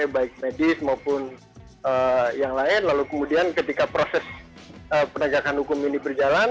baik medis maupun yang lain lalu kemudian ketika proses penegakan hukum ini berjalan